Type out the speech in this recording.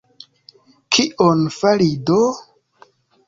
Kion fari do?